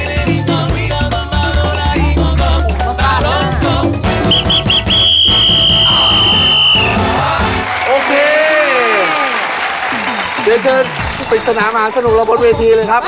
เริ่มสนุนย้อนบนเวทีเลยครับ